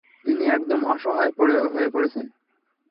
তিনি একদম অসহায় হয়ে পড়েছেন।